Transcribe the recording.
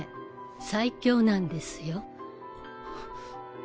最強なんですよ。